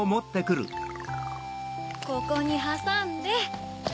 ここにはさんで。